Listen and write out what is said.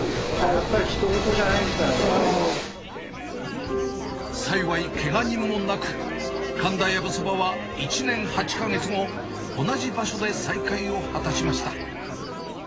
やっぱりひと事じゃないですから幸いけが人もなく、かんだやぶそばは１年８か月後、同じ場所で再開を果たしました。